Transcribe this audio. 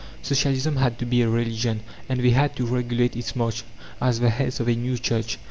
Socialism had to be a religion, and they had to regulate its march, as the heads of a new church.